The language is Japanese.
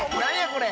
これ。